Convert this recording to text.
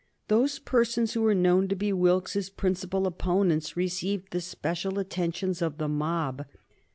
Those persons who were known to be Wilkes's principal opponents received the special attentions of the mob.